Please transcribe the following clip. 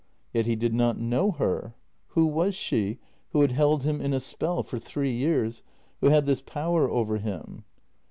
Yet he did not know her. Who was she, who had held him in a spell for three years — who had this power over him?